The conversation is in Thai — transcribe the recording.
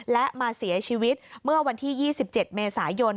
และมาเสียชีวิตเมื่อวันที่๒๗เมษายน